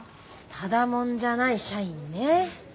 ただ者じゃない社員ねえ。